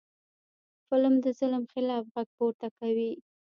فلم د ظلم خلاف غږ پورته کوي